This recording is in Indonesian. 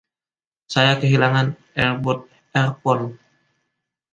Saya kehilangan earbud earphone.